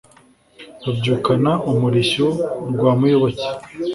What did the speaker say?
rubyukana umurishyo rwa muyoboke,